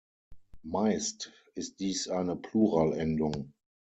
Meist ist dies eine Pluralendung.